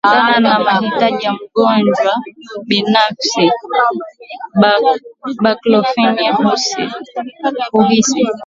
kulingana na mahitaji ya mgonjwa binafsi Baklofeniwao huhisi